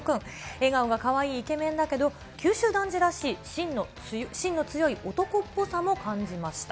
笑顔がかわいいイケメンだけど、九州男児らしい、しんの強い男っぽさも感じました。